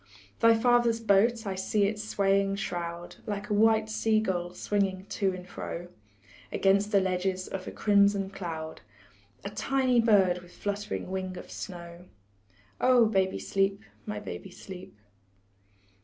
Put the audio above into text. Thy father's boat, I see its swaying shroud Like a white sea gull, swinging to and fro Against the ledges of a crimson cloud, A tiny bird with flutt'ring wing of snow. Oh, baby, sleep, my baby, sleep.